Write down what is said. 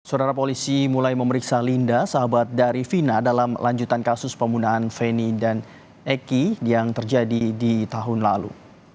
saudara polisi mulai memeriksa linda sahabat dari vina dalam lanjutan kasus pembunuhan feni dan eki yang terjadi di tahun lalu